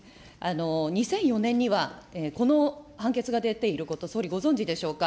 ２００４年には、この判決が出ていること、総理、ご存じでしょうか。